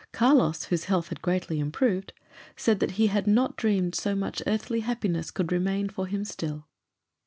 Carlos, whose health had greatly improved, said that he had not dreamed so much earthly happiness could remain for him still.